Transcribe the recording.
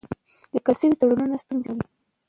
لیکل شوي تړونونه ستونزې کموي.